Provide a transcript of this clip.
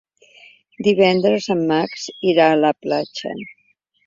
Divendres en Max irà a la platja.